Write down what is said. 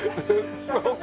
そうか。